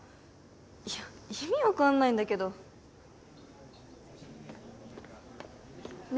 いや意味分かんないんだけどね